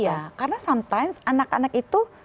iya karena sometime anak anak itu